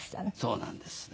そうなんですね。